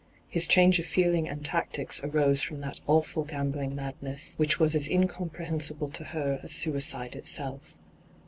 His change of feeling and tactics arose from that awful gambling madness, which was as incomprehensible to her as suicide itself.